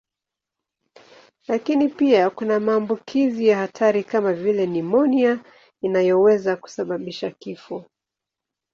Lakini pia kuna maambukizi ya hatari kama vile nimonia inayoweza kusababisha kifo.